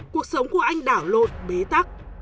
cuộc sống của anh đảo lột bế tắc